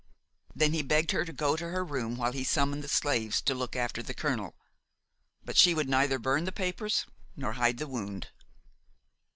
Then he begged her to go to her room while he summoned the slaves to look after the colonel; but she would neither burn the papers nor hide the wound.